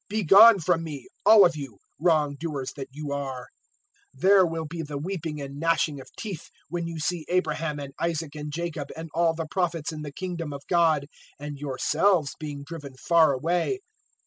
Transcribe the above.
Begone from me, all of you, wrongdoers that you are.' 013:028 "There will be the weeping and gnashing of teeth, when you see Abraham and Isaac and Jacob and all the Prophets in the Kingdom of God, and yourselves being driven far away.